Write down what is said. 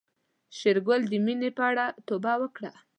شېرګل د مينې په اړه توبه وکړه.